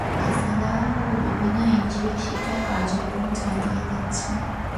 এছাড়াও বিভিন্ন এনজিও শিক্ষা কার্যক্রম চালিয়ে যাচ্ছে।